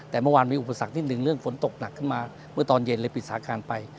แต่เมื่อวานมีอุปสรรคนิดนึงเรื่องฝนตกหนักขึ้นมาเมื่อตอนเย็นเลยปิดสาการไป